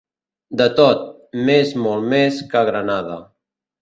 De tot, més molt més que a Granada.